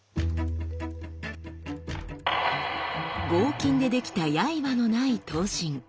合金で出来たやいばのない刀身。